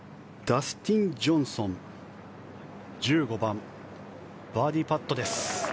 ダスティン・ジョンソンの１５番、バーディーパット。